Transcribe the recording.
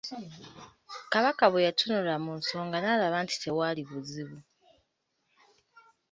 Kabaka bwe yatunula mu nsonga n'alaba nti tewaalibuzibu.